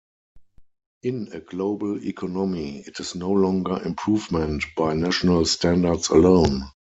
In a global economy, it is no longer improvement by national standards alone.